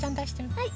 はい。